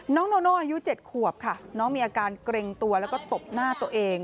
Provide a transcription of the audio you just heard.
โนโน่อายุ๗ขวบค่ะน้องมีอาการเกรงตัวแล้วก็ตบหน้าตัวเอง